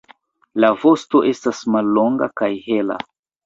La vosto estas mallonga kaj hela.